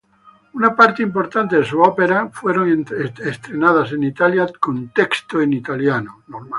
Una parte importante de sus óperas fueron estrenadas en Italia con texto en italiano.